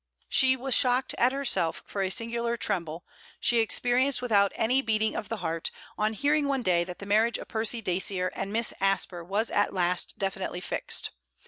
She was shocked at herself for a singular tremble 'she experienced, without any beating of the heart, on hearing one day that the marriage of Percy Dacier and Miss Asper was at last definitely fixed.